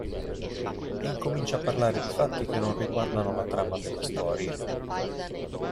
E incomincia a parlare di fatti che non riguardano la trama della storia.